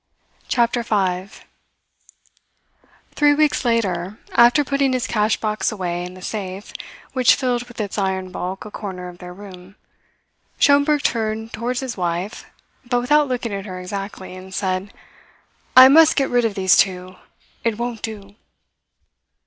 CHAPTER FIVE Three weeks later, after putting his cash box away in the safe which filled with its iron bulk a corner of their room, Schomberg turned towards his wife, but without looking at her exactly, and said: "I must get rid of these two. It won't do!"